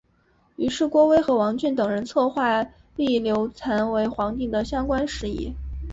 于是郭威和王峻等人策划立刘赟为皇帝的相关事宜。